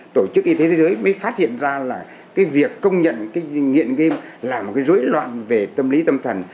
tổ chức y tế thế giới mới phát hiện ra là việc công nhận nghiện game là một dối loạn về tâm lý tâm thần